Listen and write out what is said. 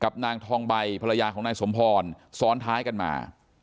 นางทองใบภรรยาของนายสมพรซ้อนท้ายกันมา